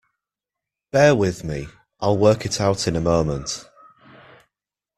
Bear with me; I'll work it out in a moment.